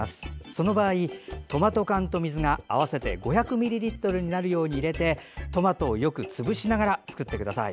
その場合、トマト缶と水が合わせて５００ミリリットルになるように入れてトマトをよく潰しながら作ってください。